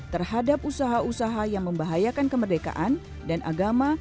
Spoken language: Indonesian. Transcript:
terhadap usaha usaha yang membahayakan kemerdekaan dan agama